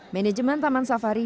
manajemen taman safari